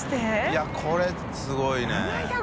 いやこれすごいね。